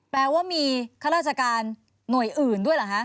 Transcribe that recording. แปลว่ามีข้าราชการหน่วยอื่นด้วยเหรอคะ